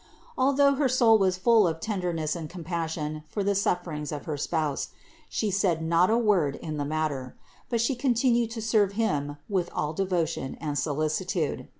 Although her soul was full of tenderness and compassion for the suffer ings of her spouse, She said not a word in the matter; but She continued to serve him with all devotion and solicitude.